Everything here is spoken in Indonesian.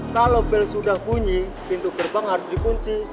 kalo bel sudah bunyi pintu gerbang harus dipunci